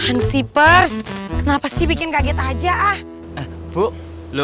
henti pers kenapa sih bikin kaget aja of